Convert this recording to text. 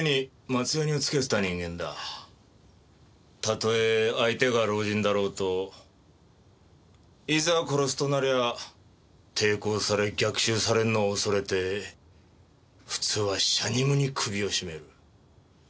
たとえ相手が老人だろうといざ殺すとなりゃ抵抗され逆襲されるのを恐れて普通は遮二無二首を絞める。